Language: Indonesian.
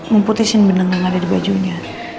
mau putisin beneng yang ada dibajunya